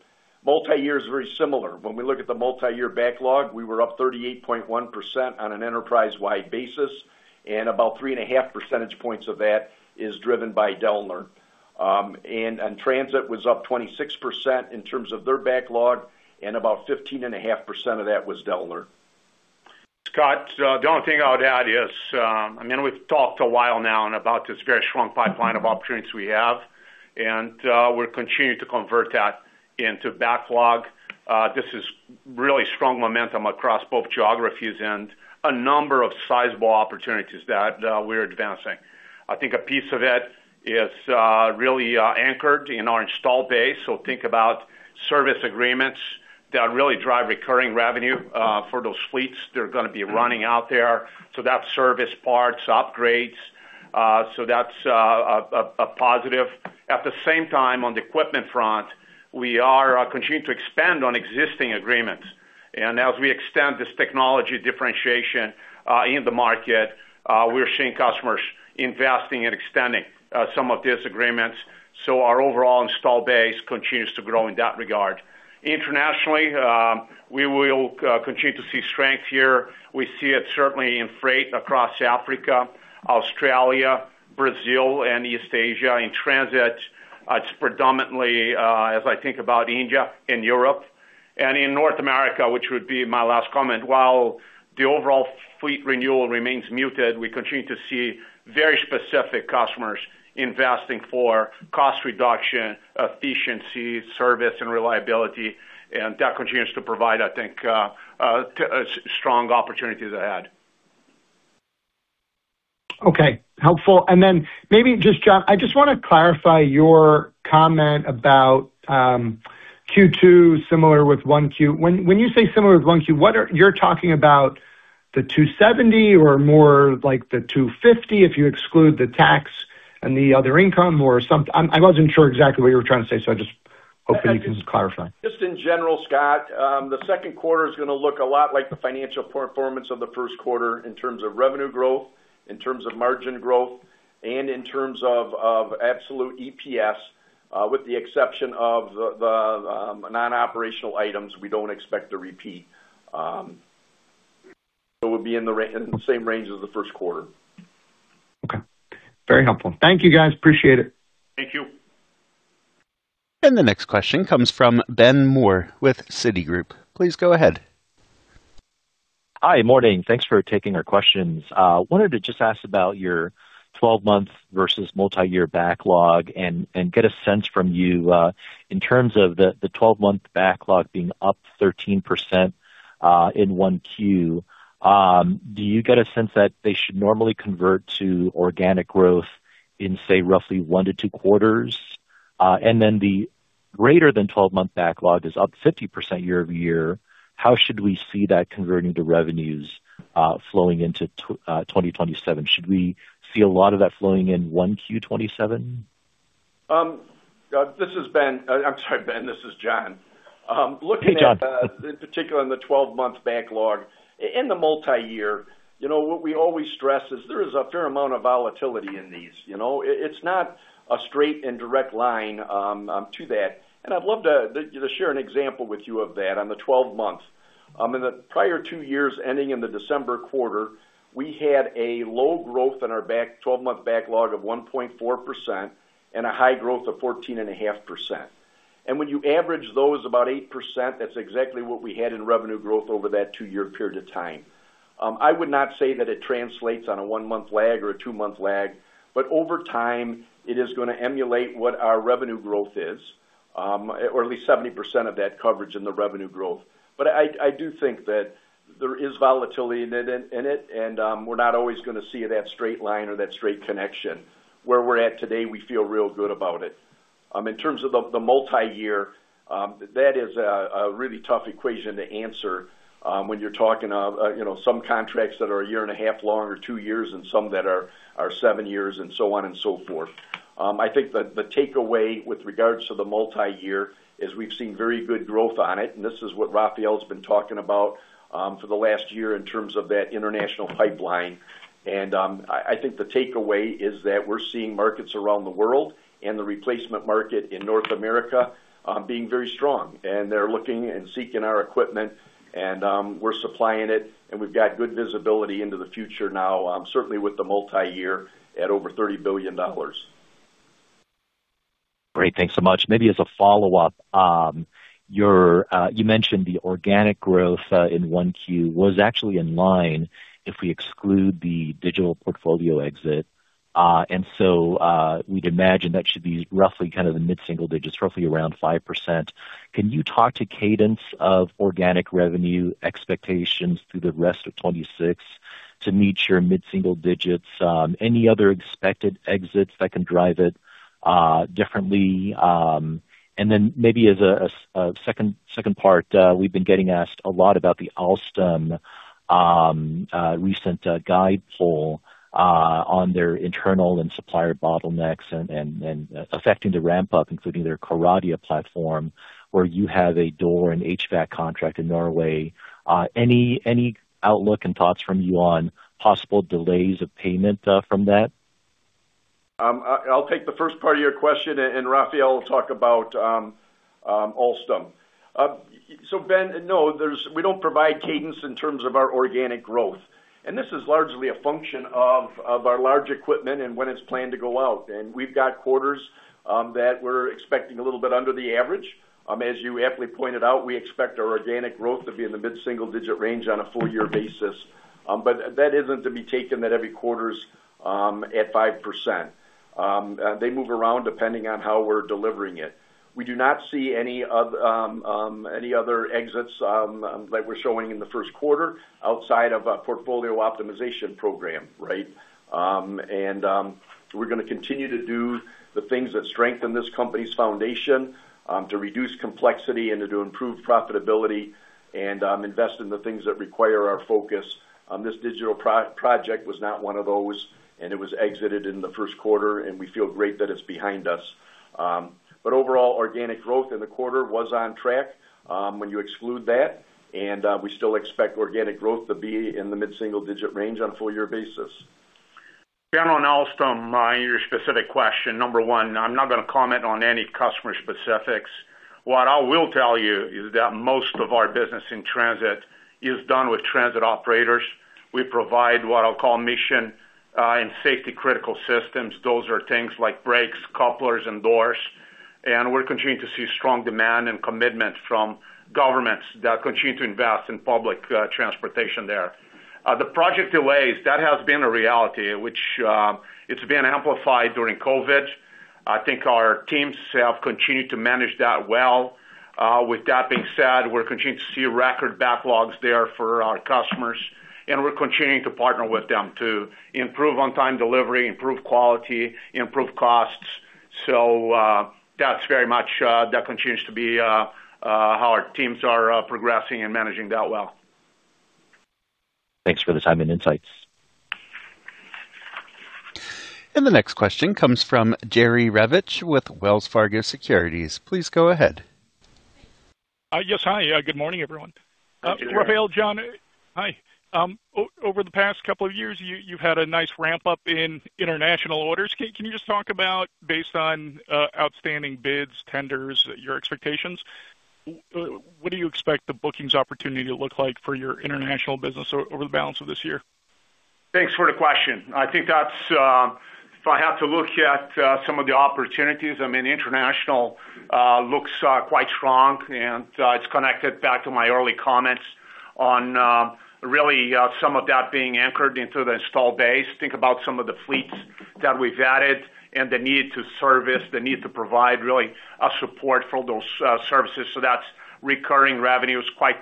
Multiyear is very similar. When we look at the multiyear backlog, we were up 38.1% on an enterprise-wide basis, and about 3.5 percentage points of that is driven by Dellner. Transit was up 26% in terms of their backlog, and about 15.5% of that was Dellner. Scott, the only thing I'll add is, we've talked a while now about this very strong pipeline of opportunities we have, and we're continuing to convert that into backlog. This is really strong momentum across both geographies and a number of sizable opportunities that we're advancing. I think a piece of it is really anchored in our installed base, so think about service agreements that really drive recurring revenue for those fleets that are going to be running out there. That's service parts, upgrades. That's a positive. At the same time, on the equipment front, we are continuing to expand on existing agreements. As we extend this technology differentiation in the market, we're seeing customers investing and extending some of these agreements. Our overall installed base continues to grow in that regard. Internationally, we will continue to see strength here. We see it certainly in freight across Africa, Australia, Brazil and East Asia. In transit, it's predominantly, as I think about India and Europe. In North America, which would be my last comment, while the overall fleet renewal remains muted, we continue to see very specific customers investing for cost reduction, efficiency, service, and reliability. That continues to provide, I think, strong opportunities ahead. Okay. Helpful. Maybe just, John, I just want to clarify your comment about Q2 similar with 1Q. When you say similar with 1Q, you're talking about the 270 or more like the 250 if you exclude the tax and the other income or something. I wasn't sure exactly what you were trying to say, so I'm just hoping you can clarify. Just in general, Scott, the second quarter is going to look a lot like the financial performance of the first quarter in terms of revenue growth, in terms of margin growth, and in terms of absolute EPS, with the exception of the non-operational items we don't expect to repeat. We'll be in the same range as the first quarter. Okay. Very helpful. Thank you, guys. Appreciate it. Thank you. The next question comes from Ben Mohr with Citigroup. Please go ahead. Hi. morning. Thanks for taking our questions. Wanted to just ask about your 12-month versus multi-year backlog and get a sense from you in terms of the 12-month backlog being up 13% in Q1. Do you get a sense that they should normally convert to organic growth in, say, roughly 1-2 quarters? The greater than 12-month backlog is up 50% year-over-year. How should we see that converting to revenues flowing into 2027? Should we see a lot of that flowing in Q1 2027? This is Ben. I'm sorry, Ben, this is John. Hey, John. Looking at, in particular in the 12-month backlog in the multi-year, what we always stress is there is a fair amount of volatility in these. It's not a straight and direct line to that. I'd love to share an example with you of that on the 12 months. In the prior two years ending in the December quarter, we had a low growth in our 12-month backlog of 1.4% and a high growth of 14.5%. When you average those about 8%, that's exactly what we had in revenue growth over that two-year period of time. I would not say that it translates on a one-month lag or a two-month lag, but over time, it is going to emulate what our revenue growth is, or at least 70% of that coverage in the revenue growth. I do think that there is volatility in it, and we're not always going to see that straight line or that straight connection. Where we're at today, we feel real good about it. In terms of the multi-year, that is a really tough equation to answer when you're talking of some contracts that are a year and a half long or two years and some that are seven years and so on and so forth. I think the takeaway with regards to the multi-year is we've seen very good growth on it, and this is what Rafael's been talking about for the last year in terms of that international pipeline. I think the takeaway is that we're seeing markets around the world and the replacement market in North America being very strong, and they're looking and seeking our equipment and we're supplying it, and we've got good visibility into the future now, certainly with the multi-year at over $30 billion. Great. Thanks so much. Maybe as a follow-up, you mentioned the organic growth in Q1 was actually in line if we exclude the digital portfolio exit. We'd imagine that should be roughly kind of the mid-single digits, roughly around 5%. Can you talk to cadence of organic revenue expectations through the rest of 2026 to meet your mid-single digits? Any other expected exits that can drive it differently? Maybe as a second part, we've been getting asked a lot about the Alstom recent guide poll on their internal and supplier bottlenecks and affecting the ramp-up, including their Coradia platform, where you have a door and HVAC contract in Norway. Any outlook and thoughts from you on possible delays of payment from that? I'll take the first part of your question, and Rafael will talk about Alstom. Ben, no, we don't provide cadence in terms of our organic growth. This is largely a function of our large equipment and when it's planned to go out. We've got quarters that we're expecting a little bit under the average. As you aptly pointed out, we expect our organic growth to be in the mid-single digit range on a full-year basis. That isn't to be taken that every quarter is at 5%. They move around depending on how we're delivering it. We do not see any other exits like we're showing in the first quarter outside of a portfolio optimization program. Right? We're going to continue to do the things that strengthen this company's foundation to reduce complexity and to improve profitability and invest in the things that require our focus. This digital project was not one of those, and it was exited in the first quarter, and we feel great that it's behind us. Overall, organic growth in the quarter was on track when you exclude that, and we still expect organic growth to be in the mid-single digit range on a full year basis. Ben, on Alstom, on your specific question, number one, I'm not going to comment on any customer specifics. What I will tell you is that most of our business in transit is done with transit operators. We provide what I'll call mission and safety critical systems. Those are things like brakes, couplers, and doors. We're continuing to see strong demand and commitment from governments that continue to invest in public transportation there. The project delays, that has been a reality, which it's been amplified during COVID. I think our teams have continued to manage that well. With that being said, we're continuing to see record backlogs there for our customers, and we're continuing to partner with them to improve on-time delivery, improve quality, improve costs. That continues to be how our teams are progressing and managing that well. Thanks for the time and insights. The next question comes from Jerry Revich with Wells Fargo Securities. Please go ahead. Yes. Hi. Good morning, everyone. Good morning. Rafael, John. Hi. Over the past couple of years, you've had a nice ramp-up in international orders. Can you just talk about, based on outstanding bids, tenders, your expectations, what do you expect the bookings opportunity to look like for your international business over the balance of this year? Thanks for the question. If I have to look at some of the opportunities, international looks quite strong, and it's connected back to my early comments on really some of that being anchored into the installed base. Think about some of the fleets that we've added and the need to service, the need to provide really a support for those services. That's recurring revenue is quite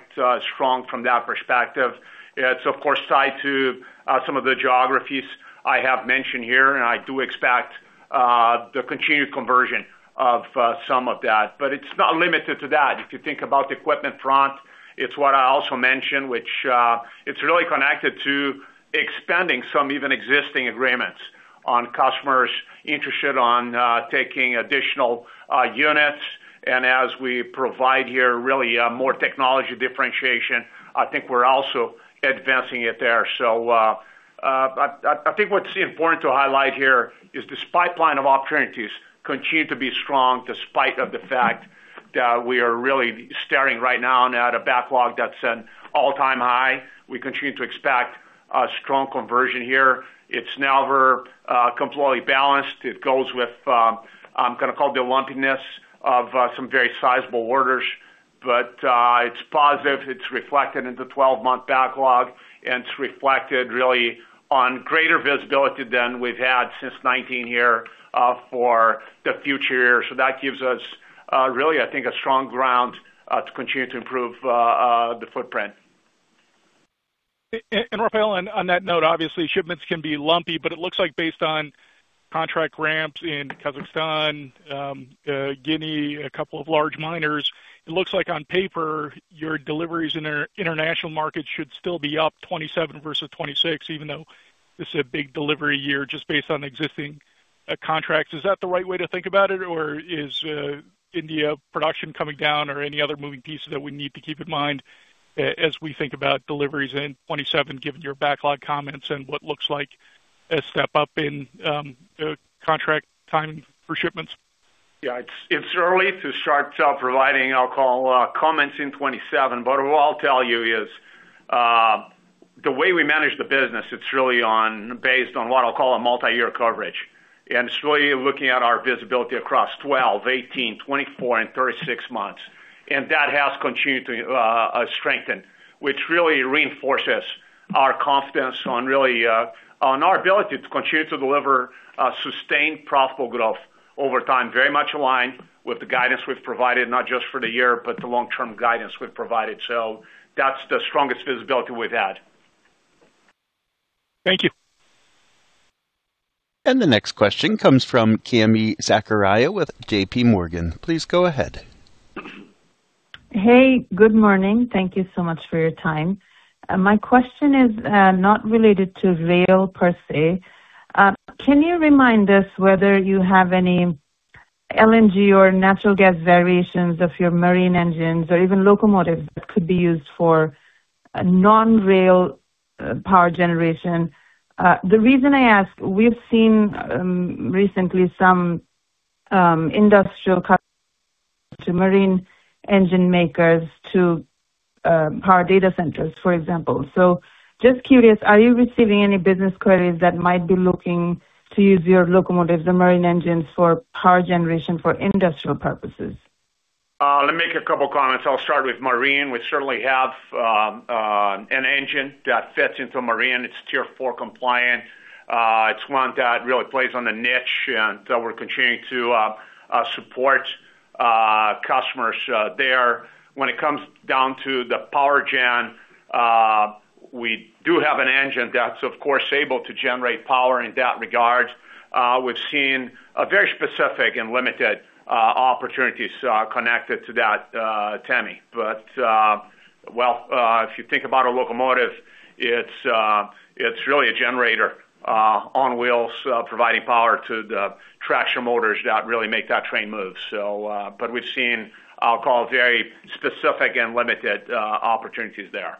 strong from that perspective. It's of course tied to some of the geographies I have mentioned here, and I do expect the continued conversion of some of that. It's not limited to that. If you think about the equipment front, it's what I also mentioned, which it's really connected to expanding some even existing agreements on customers interested on taking additional units. As we provide here really more technology differentiation, I think we're also advancing it there. I think what's important to highlight here is this pipeline of opportunities continue to be strong, despite of the fact that we are really staring right now at a backlog that's an all-time high. We continue to expect a strong conversion here. It's never completely balanced. It goes with, I'm going to call it, the lumpiness of some very sizable orders, but it's positive, it's reflected in the 12-month backlog, and it's reflected really on greater visibility than we've had since 2019 here for the future. That gives us really, I think, a strong ground to continue to improve the footprint. Rafael, on that note, obviously shipments can be lumpy, but it looks like based on contract ramps in Kazakhstan, Guinea, a couple of large miners, it looks like on paper, your deliveries in the international market should still be up 2027 versus 2026, even though this is a big delivery year just based on existing contracts. Is that the right way to think about it? Or is India production coming down or any other moving pieces that we need to keep in mind as we think about deliveries in 2027, given your backlog comments and what looks like a step up in contract timing for shipments? Yeah, it's early to start providing, I'll call, comments in 2027. What I'll tell you is the way we manage the business, it's really based on what I'll call a multi-year coverage, and it's really looking at our visibility across 12, 18, 24, and 36 months. That has continued to strengthen, which really reinforces our confidence on our ability to continue to deliver sustained profitable growth over time. Very much aligned with the guidance we've provided, not just for the year, but the long-term guidance we've provided. That's the strongest visibility we've had. Thank you. The next question comes from Tami Zakaria with JPMorgan. Please go ahead. Hey, good morning. Thank you so much for your time. My question is not related to rail per se. Can you remind us whether you have any LNG or natural gas variations of your marine engines or even locomotives that could be used for non-rail power generation. The reason I ask, we've seen recently some industrial to marine engine makers to power data centers, for example. Just curious, are you receiving any business queries that might be looking to use your locomotives or marine engines for power generation for industrial purposes? Let me make a couple comments. I'll start with marine. We certainly have an engine that fits into marine. It's Tier four compliant. It's one that really plays on the niche, and so we're continuing to support customers there. When it comes down to the power gen, we do have an engine that's, of course, able to generate power in that regard. We've seen very specific and limited opportunities connected to that, Tami. Well, if you think about a locomotive, it's really a generator on wheels providing power to the traction motors that really make that train move. We've seen, I'll call, very specific and limited opportunities there.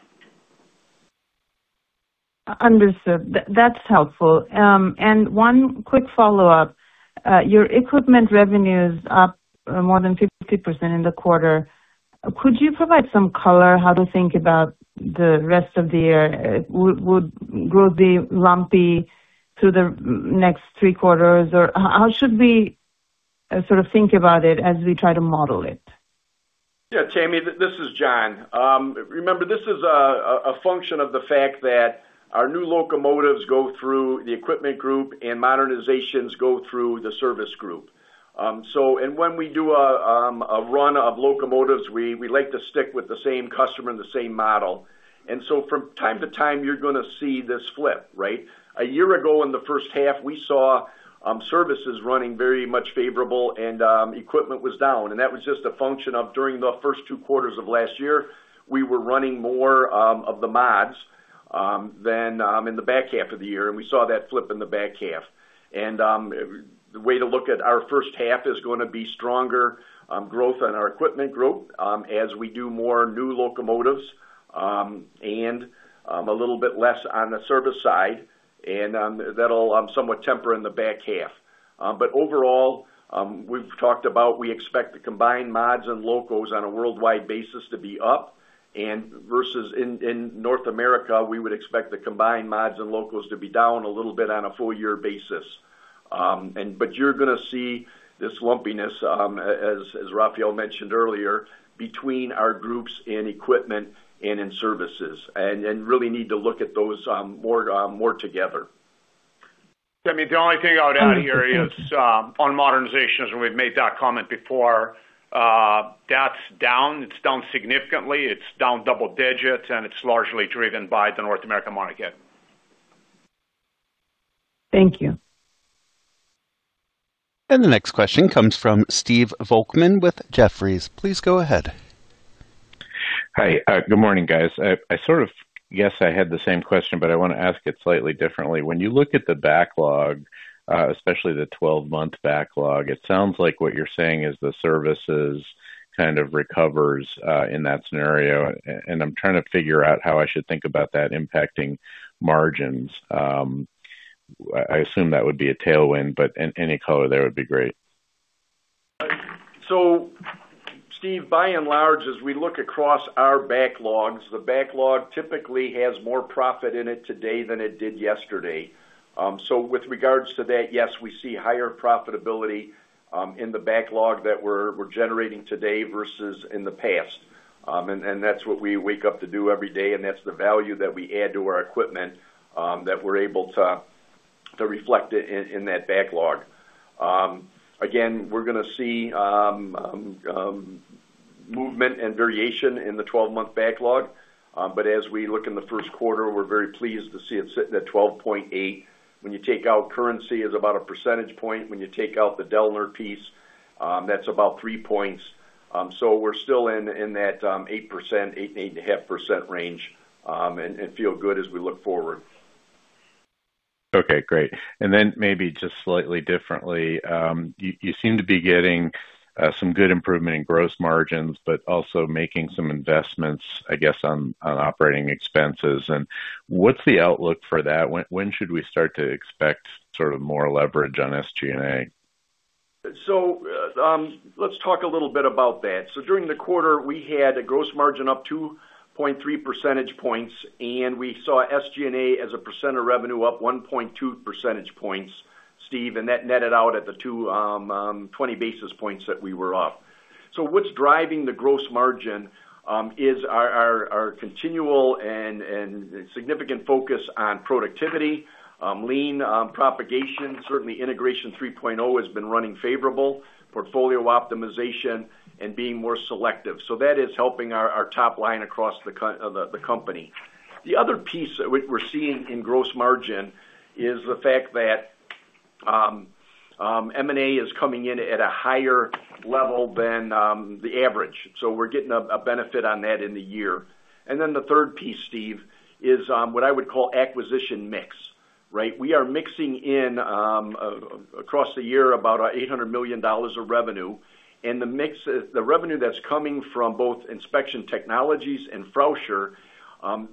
Understood. That's helpful. One quick follow-up. Your equipment revenue is up more than 50% in the quarter. Could you provide some color how to think about the rest of the year? Would growth be lumpy through the next three quarters, or how should we sort of think about it as we try to model it? Yeah, Tami, this is John. Remember, this is a function of the fact that our new locomotives go through the equipment group and modernizations go through the service group. When we do a run of locomotives, we like to stick with the same customer and the same model. From time to time, you're going to see this flip, right? A year ago in the first half, we saw services running very much favorable and equipment was down. That was just a function of during the first two quarters of last year, we were running more of the mods than in the back half of the year, and we saw that flip in the back half. The way to look at our first half is going to be stronger growth on our equipment group as we do more new locomotives, and a little bit less on the service side. That'll somewhat temper in the back half. Overall, we've talked about we expect to combine mods and locals on a worldwide basis to be up, and versus in North America, we would expect the combined mods and locals to be down a little bit on a full year basis. You're going to see this lumpiness, as Rafael mentioned earlier, between our groups in equipment and in services, and really need to look at those more together. Tami, the only thing I would add here is on modernizations, and we've made that comment before, that's down. It's down significantly. It's down double digit, and it's largely driven by the North American market. Thank you. The next question comes from Stephen Volkmann with Jefferies. Please go ahead. Hi. Good morning, guys. I sort of guess I had the same question, but I want to ask it slightly differently. When you look at the backlog, especially the 12-month backlog, it sounds like what you're saying is the services kind of recovers, in that scenario. I'm trying to figure out how I should think about that impacting margins. I assume that would be a tailwind, but any color there would be great. Steve, by and large, as we look across our backlogs, the backlog typically has more profit in it today than it did yesterday. With regards to that, yes, we see higher profitability in the backlog that we're generating today versus in the past. That's what we wake up to do every day, and that's the value that we add to our equipment that we're able to reflect it in that backlog. Again, we're going to see movement and variation in the 12-month backlog, but as we look in the first quarter, we're very pleased to see it sitting at 12.8. When you take out currency, it's about 1 percentage point. When you take out the Dellner piece, that's about 3 points. We're still in that 8%-8.5% range, and feel good as we look forward. Okay, great. Maybe just slightly differently, you seem to be getting some good improvement in gross margins, but also making some investments, I guess, on operating expenses. What's the outlook for that? When should we start to expect sort of more leverage on SG&A? Let's talk a little bit about that. During the quarter, we had a gross margin up 2.3 percentage points, and we saw SG&A as a percent of revenue up 1.2 percentage points, Steve, and that netted out at 20 basis points that we were up. What's driving the gross margin is our continual and significant focus on productivity, lean propagation. Certainly, Integration 3.0 has been running favorable, portfolio optimization, and being more selective. That is helping our top line across the company. The other piece we're seeing in gross margin is the fact that M&A is coming in at a higher level than the average. We're getting a benefit on that in the year. Then the third piece, Steve, is what I would call acquisition mix. Right. We are mixing in, across the year, about $800 million of revenue. The revenue that's coming from both Inspection Technologies and Frauscher,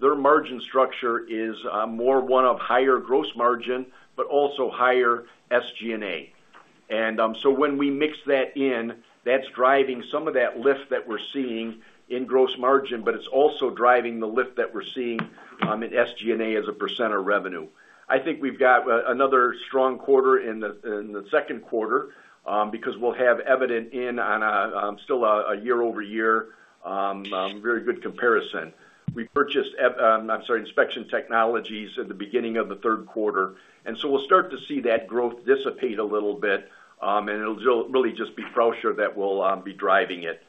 their margin structure is more one of higher gross margin, but also higher SG&A. When we mix that in, that's driving some of that lift that we're seeing in gross margin, but it's also driving the lift that we're seeing in SG&A as a percent of revenue. I think we've got another strong quarter in the second quarter, because we'll have EVIDENT in on a still a year-over-year very good comparison. We purchased Inspection Technologies at the beginning of the third quarter, we'll start to see that growth dissipate a little bit, and it'll really just be Frauscher that will be driving it.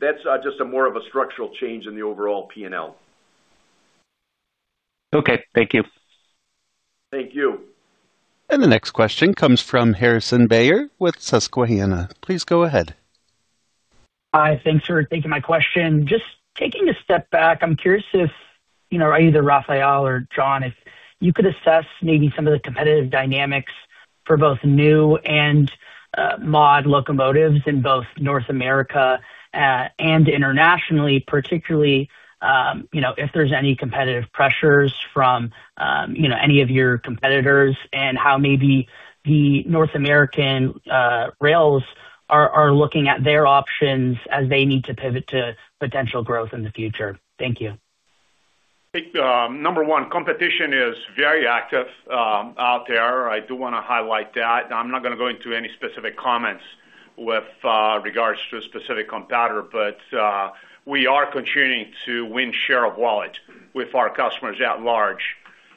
That's just a more of a structural change in the overall P&L. Okay, thank you. Thank you. The next question comes from Harrison Bauer with Susquehanna. Please go ahead. Hi, thanks for taking my question. Just taking a step back, I'm curious if, either Rafael or John, if you could assess maybe some of the competitive dynamics for both new and mod locomotives in both North America, and internationally particularly, if there's any competitive pressures from any of your competitors and how maybe the North American rails are looking at their options as they need to pivot to potential growth in the future. Thank you. Number one, competition is very active out there. I do want to highlight that. I'm not going to go into any specific comments with regards to a specific competitor. We are continuing to win share of wallet with our customers at large,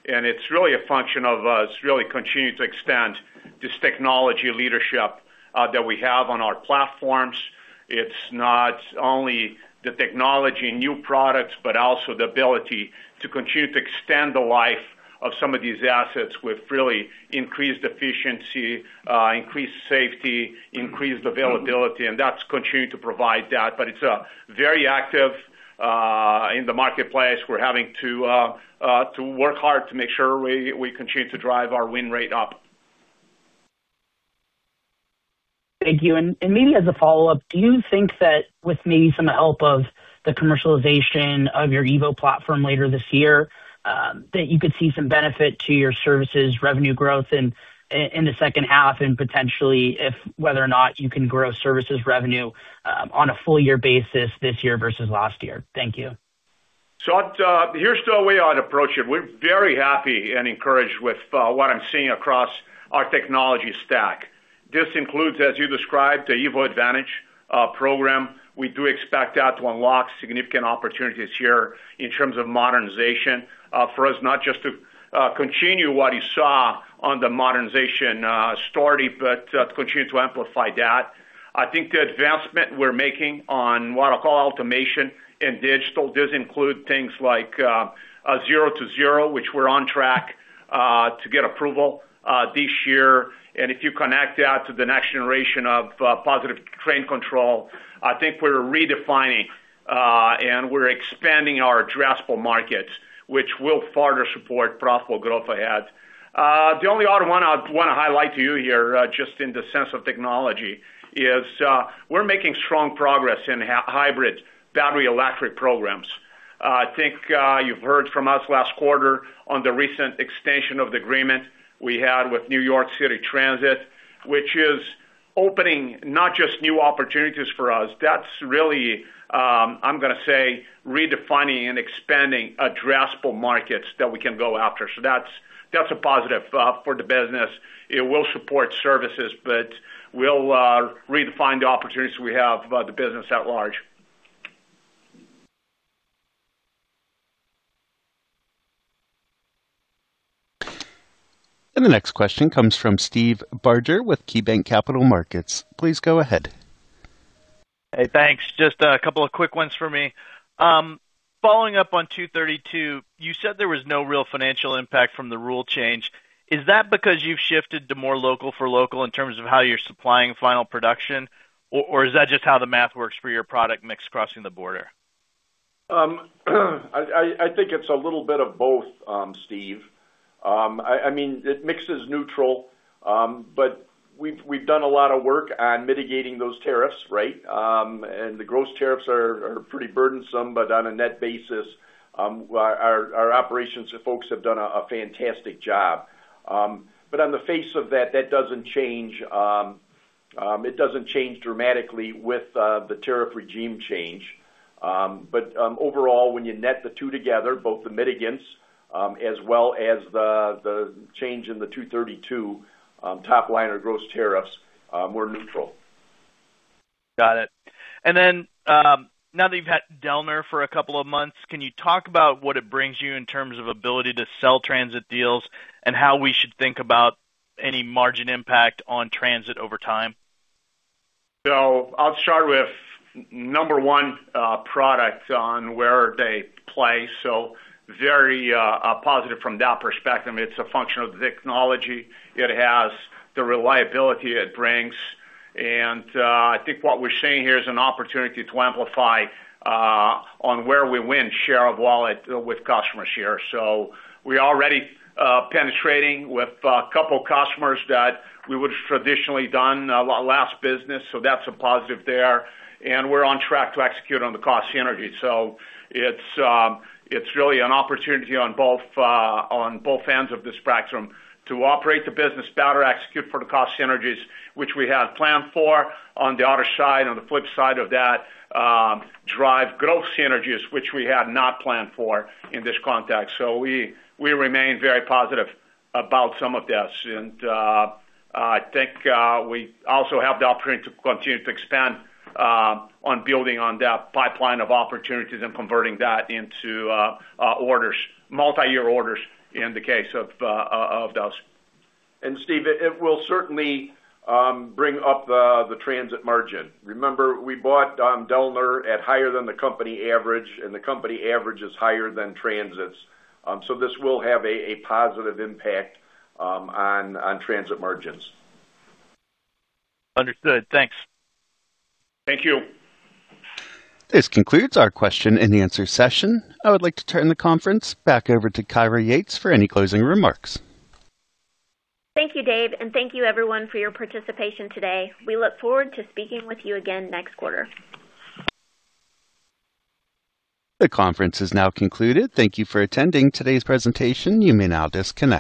and it's really a function of us really continuing to extend this technology leadership that we have on our platforms. It's not only the technology, new products, but also the ability to continue to extend the life of some of these assets with really increased efficiency, increased safety, increased availability, and that's continuing to provide that. It's very active in the marketplace. We're having to work hard to make sure we continue to drive our win rate up. Thank you. Maybe as a follow-up, do you think that with maybe some help of the commercialization of your EVO platform later this year, that you could see some benefit to your services revenue growth in the second half, and potentially if whether or not you can grow services revenue on a full year basis this year versus last year? Thank you. Here's the way I'd approach it. We're very happy and encouraged with what I'm seeing across our technology stack. This includes, as you described, the EVO Advantage program. We do expect that to unlock significant opportunities here in terms of modernization, for us, not just to continue what you saw on the modernization story, but to continue to amplify that. I think the advancement we're making on what I'll call automation and digital, this include things like zero to zero, which we're on track to get approval this year. If you connect that to the next generation of Positive Train Control, I think we're redefining, and we're expanding our addressable markets, which will further support profitable growth ahead. The only other one I'd want to highlight to you here, just in the sense of technology, is we're making strong progress in hybrid battery electric programs. I think you've heard from us last quarter on the recent extension of the agreement we had with New York City Transit, which is opening not just new opportunities for us, that's really, I'm going to say, redefining and expanding addressable markets that we can go after. That's a positive for the business. It will support services, but we'll redefine the opportunities we have about the business at large. The next question comes from Steve Barger with KeyBanc Capital Markets. Please go ahead. Hey, thanks. Just a couple of quick ones for me. Following up on Section 232, you said there was no real financial impact from the rule change. Is that because you've shifted to more local for local in terms of how you're supplying final production, or is that just how the math works for your product mix crossing the border? I think it's a little bit of both, Steve. The mix is neutral, but we've done a lot of work on mitigating those tariffs, right? The gross tariffs are pretty burdensome, but on a net basis, our operations folks have done a fantastic job. On the face of that doesn't change dramatically with the tariff regime change. Overall, when you net the two together, both the mitigants, as well as the change in the 232, top line or gross tariffs, we're neutral. Got it. Now that you've had Dellner for a couple of months, can you talk about what it brings you in terms of ability to sell transit deals and how we should think about any margin impact on transit over time? I'll start with number one, products on where they play. Very positive from that perspective. It's a function of the technology. It has the reliability it brings. I think what we're seeing here is an opportunity to amplify on where we win share of wallet with customer share. We're already penetrating with a couple of customers that we would have traditionally done less business. That's a positive there. We're on track to execute on the cost synergy. It's really an opportunity on both ends of the spectrum to operate the business better, execute for the cost synergies, which we had planned for on the other side, on the flip side of that, drive growth synergies, which we had not planned for in this context. We remain very positive about some of this. I think we also have the opportunity to continue to expand on building on that pipeline of opportunities and converting that into orders, multi-year orders in the case of those. Steve, it will certainly bring up the transit margin. Remember, we bought Dellner at higher than the company average, and the company average is higher than transit's. This will have a positive impact on transit margins. Understood. Thanks. Thank you. This concludes our question and answer session. I would like to turn the conference back over to Kyra Yates for any closing remarks. Thank you, Dave, and thank you everyone for your participation today. We look forward to speaking with you again next quarter. The conference is now concluded. Thank you for attending today's presentation. You may now disconnect.